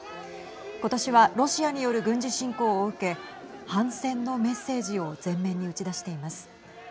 ことしはロシアによる軍事侵攻を受け反戦のメッセージを前面に打ち出しています。